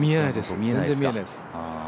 全然見えないです。